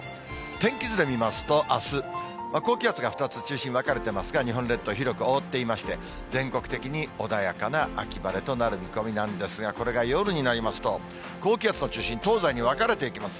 天気図で見ますと、あす、高気圧が２つ、中心分かれてますが、日本列島、広く覆っていまして、全国的に穏やかな秋晴れとなる見込みなんですが、これが夜になりますと、高気圧の中心、東西に分かれていきます。